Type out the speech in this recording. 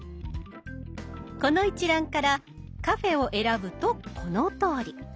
この一覧から「カフェ」を選ぶとこのとおり。